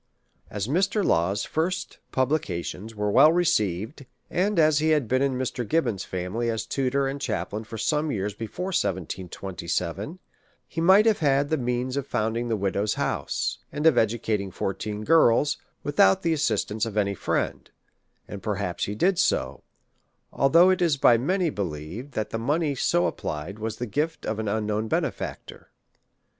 As Mr. Law's first publications were well received, and as he had been in Mr. Gibbon's family as tutor and chaplain for some years before 1727, he might have had the means of founding the widows' house, and of educating fourteen girls, without the assistance of any friend ; and perhaps he did so, although it is by many believed, that the money so applied was the gift of an unknown benefactor.